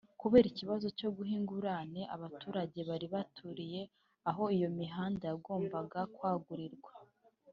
kubera ikibazo cyo guha ingurane abaturage bari baturiye aho iyi mihanda yagombaga kwagurirwa